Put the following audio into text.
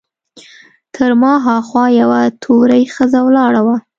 تر ما هاخوا یوه تورۍ ښځه ولاړه وه.